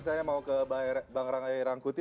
saya mau ke bang ranggai rangkuti